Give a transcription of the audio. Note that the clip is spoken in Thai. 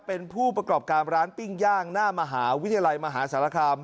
เป็นผู้ประกอบการร้านปิ้งย่างหน้ามหาวิทยาลัยมหาสารคาม